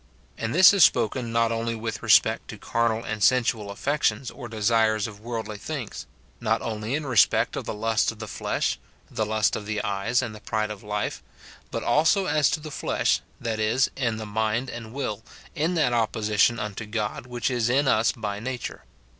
And this is spoken not only with respect to carnal and sensual afiections, or desires of worldly things, — not only in respect of the lust of the flesh, the lust of the eyes, and the pride of life, — but also as to the flesh, that is, in the mind and will, in that opposition unto God which is in us by nature.